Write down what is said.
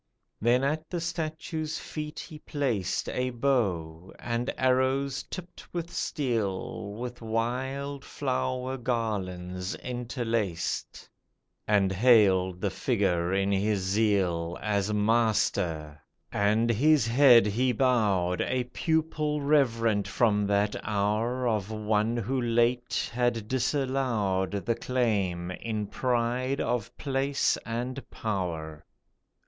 Then at the statue's feet he placed A bow, and arrows tipped with steel, With wild flower garlands interlaced, And hailed the figure in his zeal As Master, and his head he bowed, A pupil reverent from that hour Of one who late had disallowed The claim, in pride of place and power.